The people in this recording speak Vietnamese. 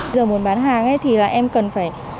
giờ muốn bán hàng thì em cần phải